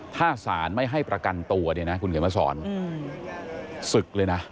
ถ้าศาลไม่ให้ประกันตัวคุณเกิดมาสอนศึกเลยนะ